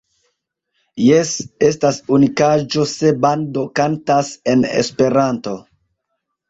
Jes, estas unikaĵo se bando kantas en Esperanto.